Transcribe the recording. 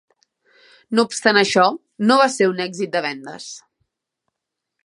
No obstant això, no va ser un èxit de vendes.